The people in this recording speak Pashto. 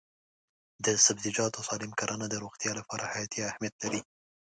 د سبزیجاتو سالم کرنه د روغتیا لپاره حیاتي اهمیت لري.